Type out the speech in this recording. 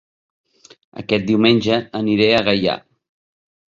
Aquest diumenge aniré a Gaià